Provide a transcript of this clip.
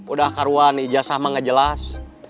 udah karuan ijazah mengajelas